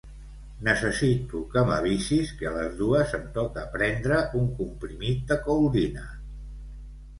Necessito que m'avisis que a les dues em toca prendre un comprimit de Couldina.